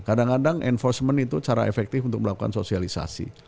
kadang kadang enforcement itu cara efektif untuk melakukan sosialisasi